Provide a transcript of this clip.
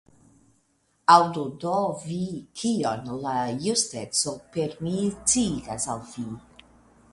Aŭdu do vi, kion la justeco per mi sciigas al vi!